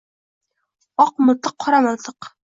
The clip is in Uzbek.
Oq miltiq, qora miltiq